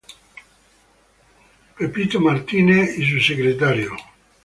Gerald Ford, y su Secretario de Estado Mr.